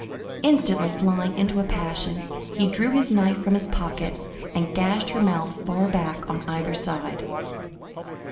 Instantly flying into a passion, he drew his knife from his pocket and gashed her mouth far back on either side.